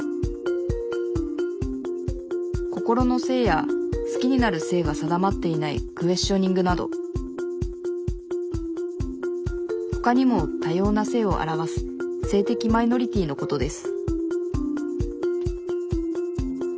心の性や好きになる性が定まっていないクエスチョニングなどほかにも多様な性を表す性的マイノリティーのことです